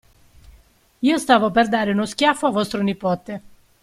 Io stavo per dare uno schiaffo a vostro nipote.